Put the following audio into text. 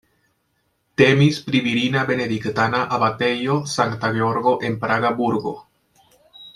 Temis pri virina benediktana abatejo Sankta Georgo en Praga burgo.